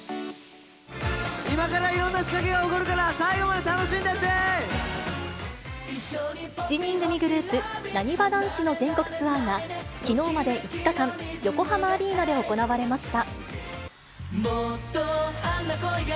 今からいろんな仕掛けが起こるから、７人組グループ、なにわ男子の全国ツアーが、きのうまで５日間、横浜アリーナで行われました。